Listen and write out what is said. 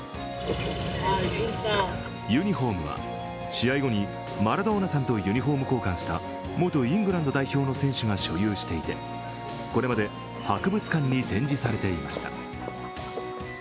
ユニフォームは試合後にマラドーナさんとユニフォーム交換した元イングランド代表の選手が所有していてこれまで博物館に展示されていました。